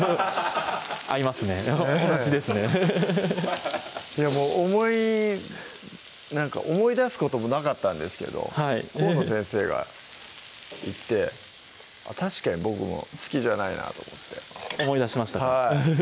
合いますね同じですねでもなんか思い出すこともなかったんですけど河野先生が言って確かに僕も好きじゃないなと思って思い出しましたかはい